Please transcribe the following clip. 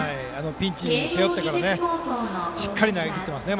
ピンチを背負ってからしっかり投げきってますね